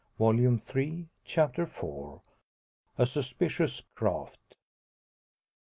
Volume Three, Chapter IV. A SUSPICIOUS CRAFT.